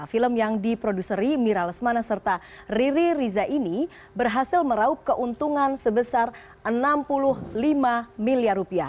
film yang diproduseri mira lesmana serta riri riza ini berhasil meraup keuntungan sebesar rp enam puluh lima miliar